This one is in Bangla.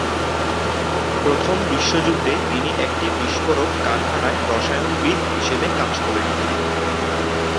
প্রথম বিশ্বযুদ্ধে তিনি একটি বিস্ফোরক কারখানায় রসায়নবিদ হিসেবে কাজ করেন।